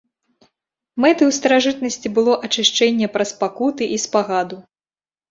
Мэтай у старажытнасці было ачышчэнне праз пакуты і спагаду.